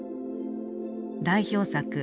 代表作